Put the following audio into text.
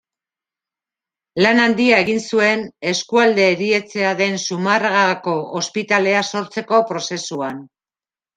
Lan handia egin zuen eskualde-erietxea den Zumarragako Ospitalea sortzeko prozesuan.